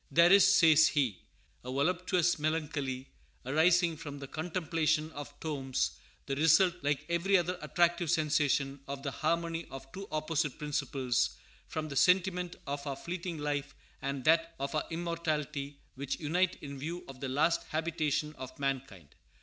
"There is," says he, "a voluptuous melancholy arising from the contemplation of tombs; the result, like every other attractive sensation, of the harmony of two opposite principles, from the sentiment of our fleeting life and that of our immortality, which unite in view of the last habitation of mankind.